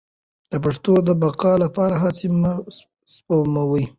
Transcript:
د پښتو د بقا لپاره هڅې مه سپموئ.